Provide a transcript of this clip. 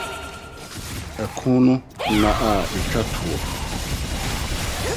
Ɔko no Nna a Etwa To